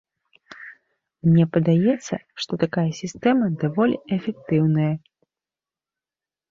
Мне падаецца, што такая сістэма даволі эфектыўная.